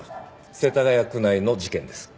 世田谷区内の事件です。